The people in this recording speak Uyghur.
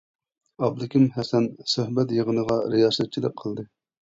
ئابلىكىم ھەسەن سۆھبەت يىغىنىغا رىياسەتچىلىك قىلدى.